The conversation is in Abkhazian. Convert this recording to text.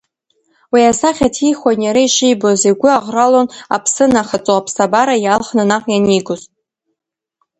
Уи асахьа ҭихуан иара ишибоз, игәы аӷралон аԥсы нахаҵо, аԥсабара иалхны наҟ ианигоз…